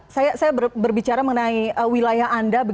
saya berbicara mengenai wilayah anda